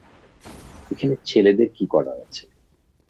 এখানে ছেলেদের কী করার আছে?